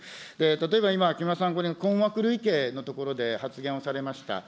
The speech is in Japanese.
例えば、今、木村さん、困惑類型のところで発言をされました。